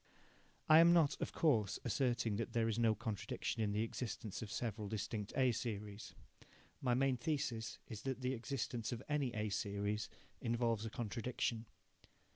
I am not, of course, asserting that there is no contradiction in the existence of several distinct A series. My main thesis is that the existence of any A series involves a contradiction.